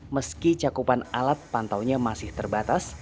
meski cakupan alat pantau nya masih terbatas